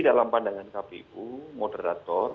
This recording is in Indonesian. dalam pandangan kpu moderator